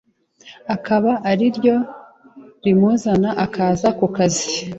akaba ariryo rimuzana akaza ku kazi,